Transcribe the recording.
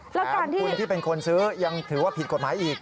แถมคุณที่เป็นคนซื้อยังถือว่าผิดกฎหมายอีก